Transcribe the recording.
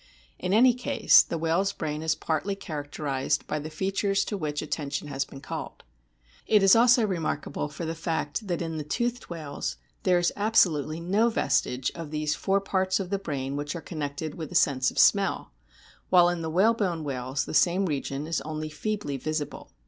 In any case the whale's brain is partly characterised by the features to which atten tion has been called. It is also remarkable for the fact that in the toothed whales there is absolutely no vestige of those fore parts of the brain which are connected with the sense of smell ; while in the whalebone whales the same region is only feebly visible.